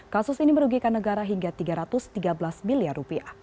kasus ini merugikan negara hingga rp tiga ratus tiga belas miliar